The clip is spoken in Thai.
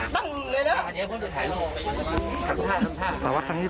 ขอวัดทางนี้ฟังหนู